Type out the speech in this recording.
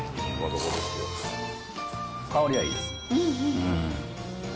香りがいいです。